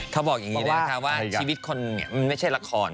เขาบอกอย่างนี้ว่าชีวิตคนมันไม่ใช่ละคร